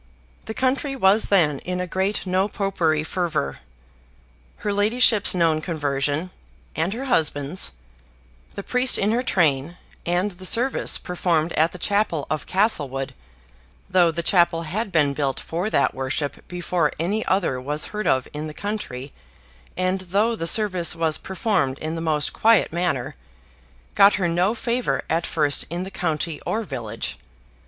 The country was then in a great No Popery fervor; her ladyship's known conversion, and her husband's, the priest in her train, and the service performed at the chapel of Castlewood (though the chapel had been built for that worship before any other was heard of in the country, and though the service was performed in the most quiet manner), got her no favor at first in the county or village.